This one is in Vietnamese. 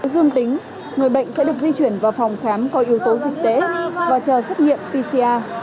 dương tính người bệnh sẽ được di chuyển vào phòng khám có yếu tố dịch tễ và chờ xét nghiệm pcr